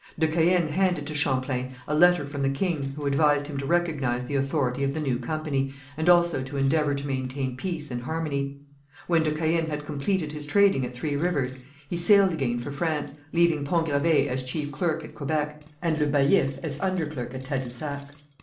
De Caën handed to Champlain a letter from the king, who advised him to recognize the authority of the new company, and also to endeavour to maintain peace and harmony. When de Caën had completed his trading at Three Rivers he sailed again for France, leaving Pont Gravé as chief clerk at Quebec, and Le Baillif as underclerk at Tadousac.